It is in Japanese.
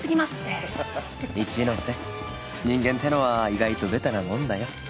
一ノ瀬人間ってのは意外とベタなもんだよ